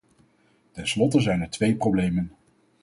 Tenslotte zijn er twee problemen.